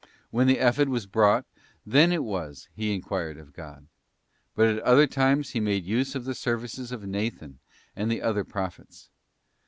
When the Ephod was brought, then it was he enquired of God. But at other times he made use of the services of Nathan and other pro phets.